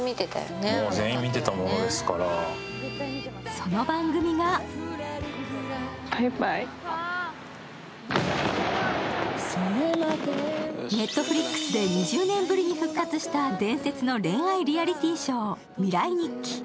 その番組がＮｅｔｆｌｉｘで２０年ぶりに復活した伝説の恋愛リアリティー番組。